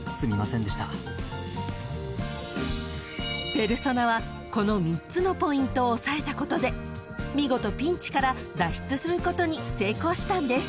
［ペルソナはこの３つのポイントを押さえたことで見事ピンチから脱出することに成功したんです］